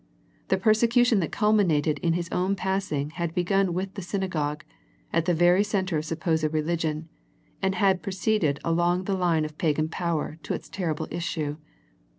The persecution that culminated in His own passing had begun within the synagogue, at the very centre of supposed religion, and had proceeded along the line of pagan power to its terrible issue.